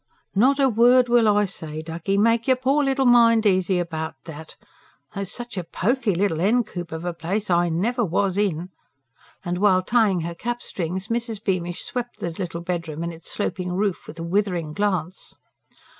"Not a word will I say, ducky, make yer pore little mind easy about that. Though such a poky little 'en coop of a place I never was in!" and, while tying her cap strings, Mrs. Beamish swept the little bedroom and its sloping roof with a withering glance.